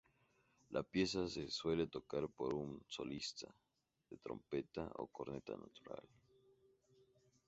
La pieza se suele tocar por un solista de trompeta o corneta natural.